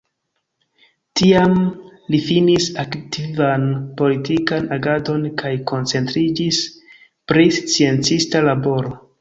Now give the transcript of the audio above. Tiam li finis aktivan politikan agadon kaj koncentriĝis pri sciencista laboro.